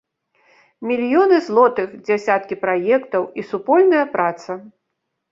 Мільёны злотых, дзясяткі праектаў і супольная праца.